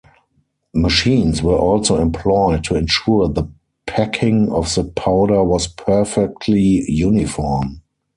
Machines were also employed to ensure the packing of the powder was perfectly uniform.